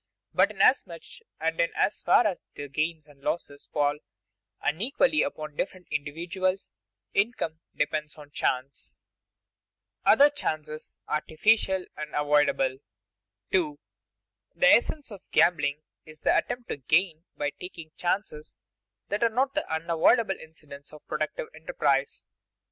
But inasmuch and in as far as the gains and losses fall unequally upon different individuals, income depends on chance. [Sidenote: Other chances artificial and avoidable] 2. _The essence of gambling is the attempt to gain by taking chances that are not the unavoidable incidents of productive enterprise_.